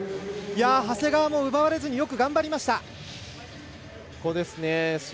長谷川も奪われずによく頑張りました。